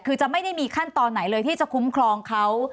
คือจะไม่ได้มีขั้นตอนไหนเลยที่จะคุ้มครองเขา